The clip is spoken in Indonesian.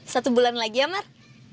satu bulan lagi ya mas